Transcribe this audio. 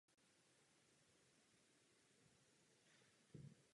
Během druhé světové války se stalo důležitým průmyslovým centrem Německa.